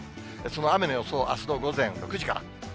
その雨の予想、あすの午前６時から。